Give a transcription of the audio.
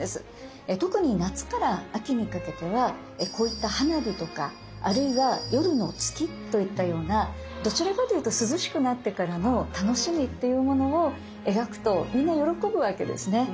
特に夏から秋にかけてはこういった花火とかあるいは夜の月といったようなどちらかというと涼しくなってからの楽しみっていうものを描くとみんな喜ぶわけですね。